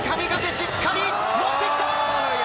しっかり乗ってきた！